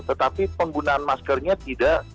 tetapi penggunaan maskernya tidak